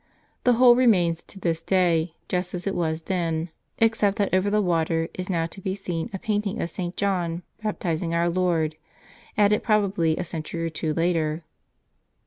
The whole remains to this day, just as it was then, except that over the water is now to be seen a painting of St. John baptizing our Lord, added probably a century or two later.